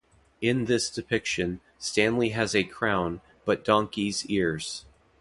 In this depiction, Stanley has a crown, but donkey's ears.